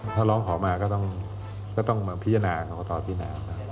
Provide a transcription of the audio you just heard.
ถ้าลองขอมาก็ต้องพิจารณาขอตอบพิจารณา